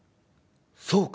そうか！